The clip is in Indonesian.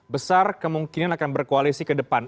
besar kemungkinan akan berkoalisi ke depan